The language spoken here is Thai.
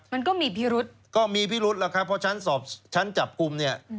มันก็มีพิรุธก็มีพิรุธเพราะชั้นสอบชั้นจับกลุ่ม